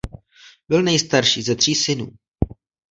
Byl nejstarší ze tří synů.